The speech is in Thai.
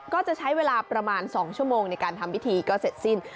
ก็จะใช้เวลาประมาณ๒ชั่วโมงในการทำพิธีก็เสร็จสิ้น